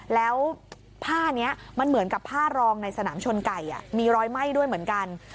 แล้วผ้านี้มันเหมือนกับผ้ารองในสนามชนไก่มีรอยไหม้ด้วยเหมือนกัน